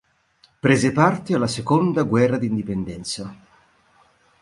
Prese parte alla seconda guerra d'indipendenza.